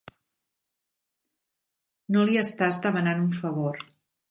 No li estàs demanant un favor.